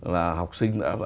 là học sinh